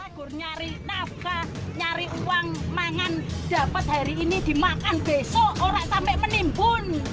aku nyari nafkah nyari uang makan dapat hari ini dimakan besok orang sampai menimbun